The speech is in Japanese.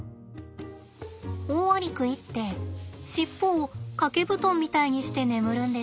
オオアリクイって尻尾を掛け布団みたいにして眠るんです。